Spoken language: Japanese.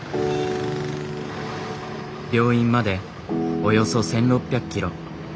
病院までおよそ１，６００ｋｍ。